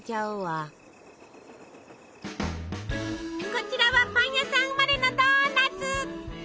こちらはパン屋さん生まれのドーナツ。